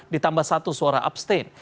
ditambah satu suara abstain